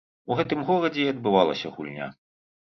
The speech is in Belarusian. У гэтым горадзе і адбывалася гульня.